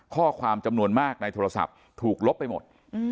ข้อความจำนวนมากในโทรศัพท์ถูกลบไปหมด